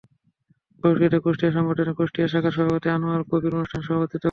প্রযুক্তিতে কুষ্টিয়া সংগঠনের কুষ্টিয়া শাখার সভাপতি আনোয়ার কবীর অনুষ্ঠানে সভাপতিত্ব করেন।